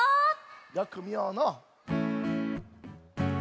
よくみようのう。